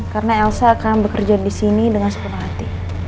karena elsa akan bekerja di sini dengan sepenuh hati